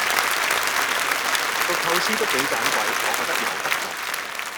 個構思都幾盞鬼，我覺得有得做